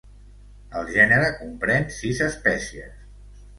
El gènere comprèn sis espècies.